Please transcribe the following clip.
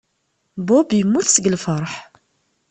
Bob yemmut seg lfeṛḥ.